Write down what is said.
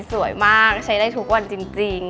สวยมากใช้ได้ทุกวันจริง